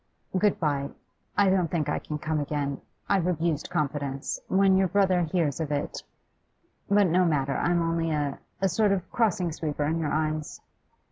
'Good bye, I don't think I can come again. I've abused confidence. When your brother hears of it . But no matter, I'm only a a sort of crossing sweeper in your eyes.